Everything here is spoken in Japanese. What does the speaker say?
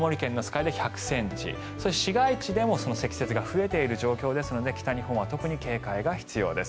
湯で１００ｃｍ市街地でも積雪が増えている状況ですので北日本は特に警戒が必要です。